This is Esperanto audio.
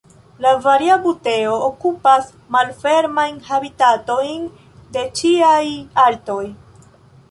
La Varia buteo okupas malfermajn habitatojn de ĉiaj altoj.